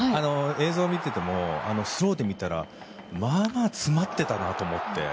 映像を見ていてもスローで見たらまあまあ詰まってたなと思って。